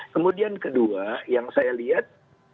kemudian kedua yang saya lihat